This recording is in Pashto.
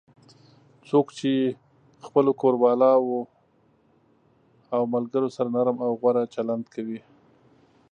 څوک چې خپلو کوروالو او ملگرو سره نرم او غوره چلند کوي